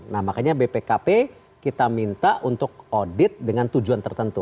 nah makanya bpkp kita minta untuk audit dengan tujuan tertentu